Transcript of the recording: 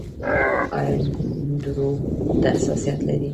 ایا دوړو ته حساسیت لرئ؟